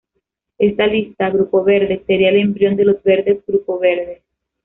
Esta lista, Grupo Verde, sería el embrión de Los Verdes-Grupo Verde.